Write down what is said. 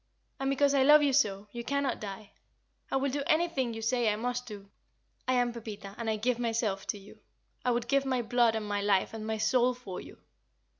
And because I love you so, you cannot die. I will do anything you say I must do. I am Pepita, and I give myself to you. I would give my blood and my life and my soul for you.